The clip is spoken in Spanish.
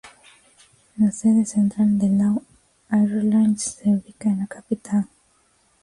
La sede central de Lao Airlines se ubica en la capital.